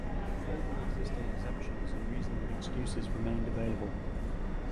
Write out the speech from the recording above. All the existing exemptions and reasonable excuses remained available.